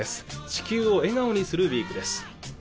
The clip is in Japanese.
「地球を笑顔にするＷＥＥＫ」です